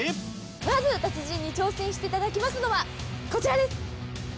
まず、達人に挑戦していただきますのは、こちらです。